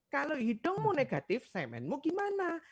kalau hidungmu negatif semenmu gimana